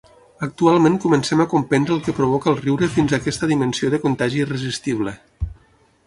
Actualment comencem a comprendre el què provoca el riure fins aquesta dimensió de contagi irresistible.